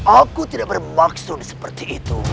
aku tidak bermaksud seperti